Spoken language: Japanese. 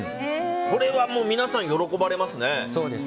これは皆さん、喜ばれますね。